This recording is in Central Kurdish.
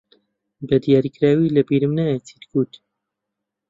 بەدیاریکراوی لەبیرم نییە چیت گوت.